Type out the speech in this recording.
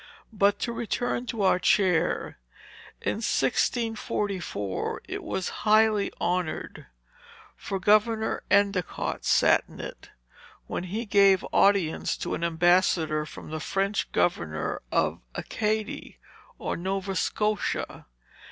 But to return to our chair. In 1644 it was highly honored; for Governor Endicott sat in it, when he gave audience to an ambassador from the French governor of Acadie, or Nova Scotia.